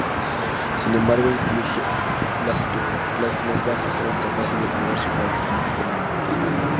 Sin embargo, incluso las clases más bajas eran capaces de pagar su parte.